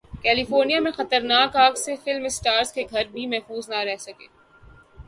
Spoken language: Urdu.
کیلیفورنیا میں خطرناک اگ سے فلم اسٹارز کے گھر بھی محفوظ نہ رہ سکے